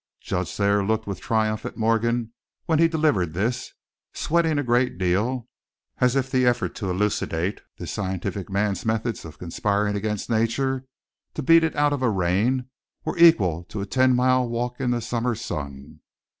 Judge Thayer looked with triumph at Morgan when he delivered this, sweating a great deal, as if the effort to elucidate this scientific man's methods of conspiring against nature to beat it out of a rain were equal to a ten mile walk in the summer sun.